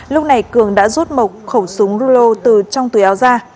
lúc này cường đã rút mộc khẩu súng rulo từ trong túi áo ra